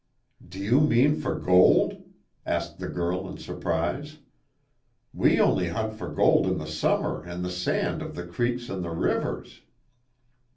"Do you mean for gold?" asked the girl in surprise, "We only hunt for gold in the summer in the sand of the creeks and the rivers."